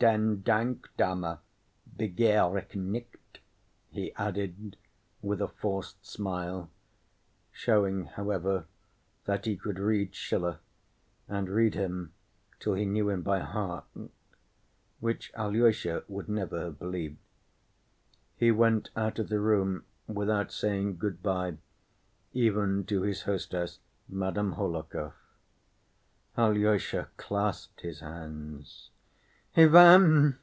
'Den Dank, Dame, begehr ich nicht,' " he added, with a forced smile, showing, however, that he could read Schiller, and read him till he knew him by heart—which Alyosha would never have believed. He went out of the room without saying good‐by even to his hostess, Madame Hohlakov. Alyosha clasped his hands. "Ivan!"